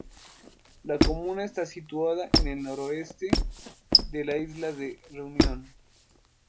La comuna está situada en el noreste de la isla de Reunión.